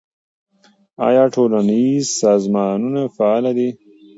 آیا ټولنیز سازمانونه فعال دي؟